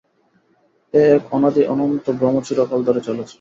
এ এক অনাদি অনন্ত ভ্রম চিরকাল ধরে চলেছে।